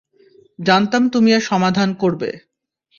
জানতাম তুমি এর সমাধান করবে।